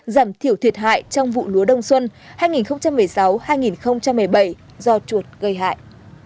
giảm thiểu thiệt hại trong vụ lúa đông xuân hai nghìn một mươi sáu hai nghìn một mươi bảy do chuột gây hại